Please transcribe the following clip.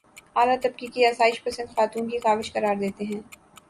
اعلیٰ طبقے کی آسائش پسند خاتون کی کاوش قرار دیتے ہیں